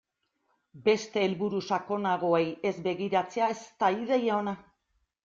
Beste helburu sakonagoei ez begiratzea ez da ideia ona.